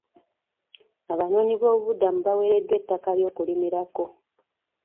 Abanooonyiboobubudamu bawereddwa ettaka ly'okulimirako.